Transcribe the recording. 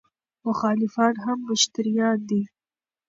مخالفان هم مشتریان دي.